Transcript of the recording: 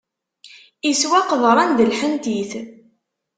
Iswa qeḍran d lḥentit.